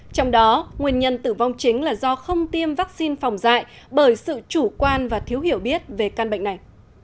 trong đó nguyên nhân tử vong chính là do không tiêm vaccine phòng dạy bởi sự chủ quan và thiếu hiểu biết về căn bệnh này